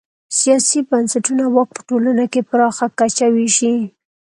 سیاسي بنسټونه واک په ټولنه کې پراخه کچه وېشي.